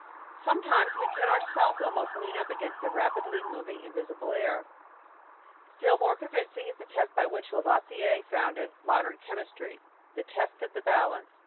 Sometimes we can ourselves almost lean up against the rapidly moving invisible air ! Still more convincing is the test by which Lavoisier founded mod ern chemistry the test of the balance.